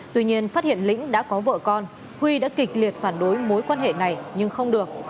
tuy nhiên phát hiện lĩnh đã có vợ con huy đã kịch liệt phản đối mối quan hệ này nhưng không được